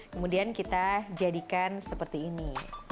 kemudian kita jadikan seperti ini